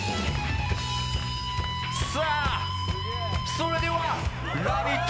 それでは「ラヴィット！」